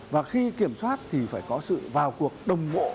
và khi kiểm soát thì phải có sự vào cuộc đồng bộ